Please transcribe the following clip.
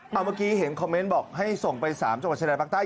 เอาเมื่อกี้เห็นคอมเมนต์บอกให้ส่งไป๓จังหวัดชายแดนภาคใต้